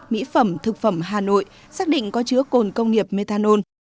mỹ phẩm thực phẩm hà nội xác định có chứa cồn công nghiệp methanol